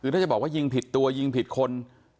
คือถ้าจะบอกว่ายิงผิดตัวยิงผิดคน